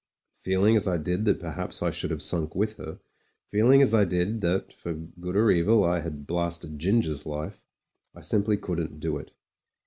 Feeling as I did that perhaps I should have sunk with her ; feeling as I did that, for good or evil, I had blasted Ginger's life, I simply couldn't do it.